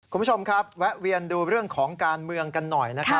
คุณผู้ชมครับแวะเวียนดูเรื่องของการเมืองกันหน่อยนะครับ